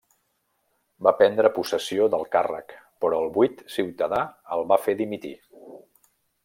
Va prendre possessió del càrrec però el buit ciutadà el va fer dimitir.